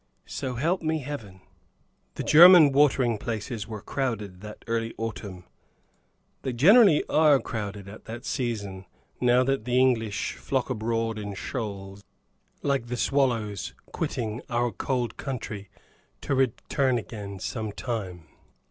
So help me Heaven!" The German watering places were crowded that early autumn. They generally are crowded at that season, now that the English flock abroad in shoals, like the swallows quitting our cold country, to return again some time.